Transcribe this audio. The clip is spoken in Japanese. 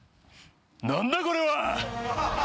何だこれは！？